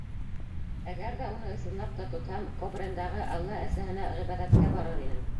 Әгәр ҙә уны ысынлап та тотһам, Кобрендағы Алла әсәһенә ғибәҙәткә барыр инем.